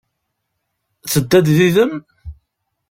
Tedda-d yid-m?